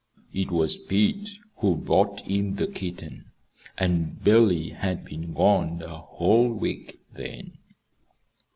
It was Pete who brought in the kitten; and Billy had been gone a whole week then.